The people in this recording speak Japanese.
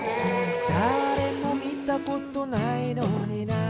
「だれも見たことないのにな」